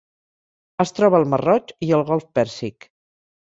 Es troba al mar Roig i el golf Pèrsic.